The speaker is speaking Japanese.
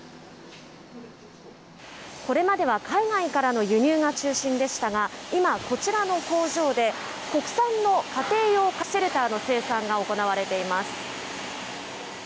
これまでは海外からの輸入が中心でしたが、今、こちらの工場で、国産の家庭用シェルターの生産が行われています。